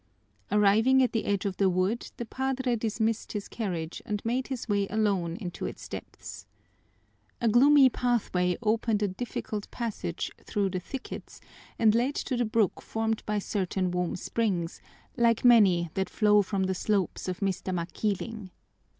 Arriving at the edge of the wood, the padre dismissed his carriage and made his way alone into its depths. A gloomy pathway opened a difficult passage through the thickets and led to the brook formed by certain warm springs, like many that flow from the slopes of Mr. Makiling.